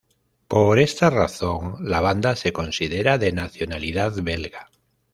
Por esta razón, la banda se considera de nacionalidad belga.